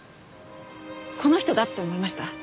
「この人だ！」って思いました。